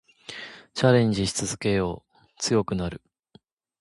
チャレンジし続けよう。強くなる。